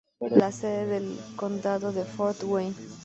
La sede del condado es Fort Wayne.